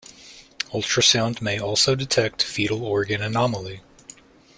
Ultrasound may also detect fetal organ anomaly.